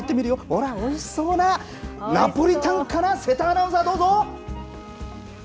ほらおいしそうなナポリタンから瀬田アナウンサー、どうぞ。